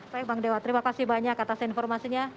baik bang dewa terima kasih banyak atas informasinya